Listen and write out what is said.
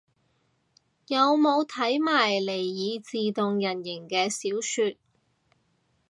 有冇睇埋尼爾自動人形嘅小說